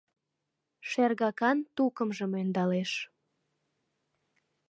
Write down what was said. Шергакан тукымжым ӧндалеш.